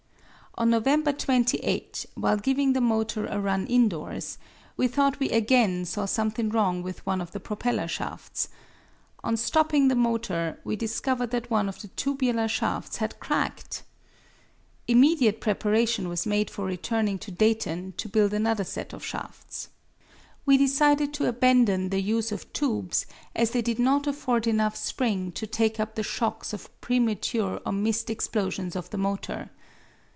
On November 28, while giving the motor a run indoors, we thought we again saw something wrong with one of the propeller shafts. On stopping the motor we discovered that one of the tubular shafts had cracked! Immediate preparation was made for returning to Dayton to build another set of shafts. We decided to abandon the use of tubes, as they did not afford enough spring to take up the shocks of premature or missed explosions of the motor.